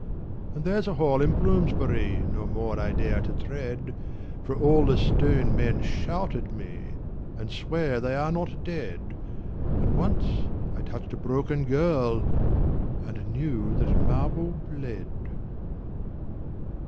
And there's a hall in Bloomsbury No more I dare to tread, For all the stone men shout at me And swear they are not dead ; And once I touched a broken girl And knew that marble bled.